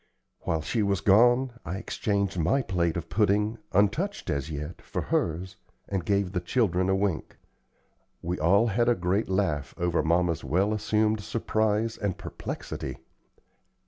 While she was gone, I exchanged my plate of pudding, untouched as yet, for hers, and gave the children a wink. We all had a great laugh over mamma's well assumed surprise and perplexity.